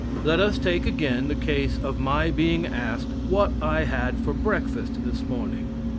Let us take again the case of my being asked what I had for breakfast this morning.